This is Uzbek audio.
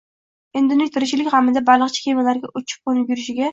Endi uning tirikchilik g‘amida baliqchi kemalarga uchib-qo‘nib yurishiga